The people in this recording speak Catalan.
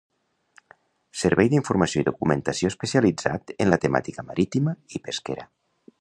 Servei d’informació i documentació especialitzat en la temàtica marítima i pesquera.